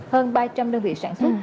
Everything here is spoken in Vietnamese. hơn ba trăm linh đơn vị sản xuất